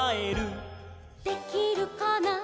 「できるかな」